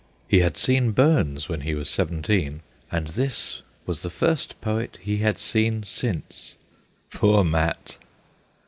He had seen Burns when he was seventeen, and this was the first poet he had seen since. Poor Mat